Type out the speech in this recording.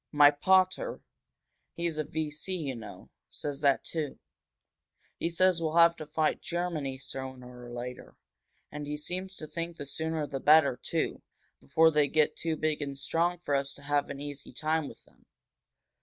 "My pater he's a V. C., you know says that, too. He says we'll have to fight Germany, sooner or later. And he seems to think the sooner the better, too, before they get too big and strong for us to have an easy time with them."